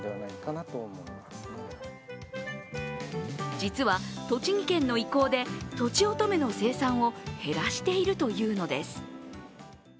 実は、栃木県の意向で、とちおとめの生産を減らしているというのです。